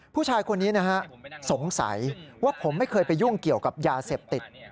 ผู้ชายคนนี้นะฮะสงสัยว่าผมไม่เคยไปยุ่งเกี่ยวกับยาเสพติด